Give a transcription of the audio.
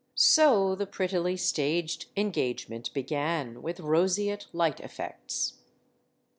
So the prettily staged engagement began; with roseate light effects.